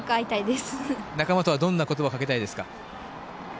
仲間にはどんな言葉をかけたいですか？